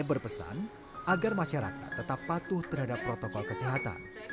berpesan agar masyarakat tetap patuh terhadap protokol kesehatan